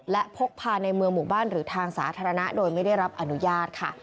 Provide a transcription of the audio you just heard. และพกพาในเมืองหมู่บ้านหรือทางสาธารณะโดยไม่ได้รับอนุญาตค่ะ